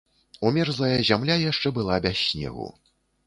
Умерзлая зямля яшчэ была без снегу.